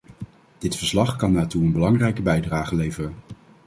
Dit verslag kan daartoe een belangrijke bijdrage leveren.